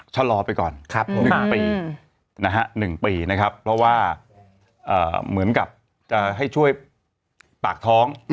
ชะลอไปก่อน๑ปีนะฮะ๑ปีนะครับเพราะว่าเหมือนกับจะให้ช่วยปากท้อง